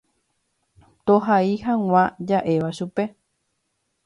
tohai hag̃ua ja'éva chupe.